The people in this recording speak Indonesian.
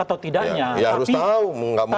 atau tidaknya ya harus tahu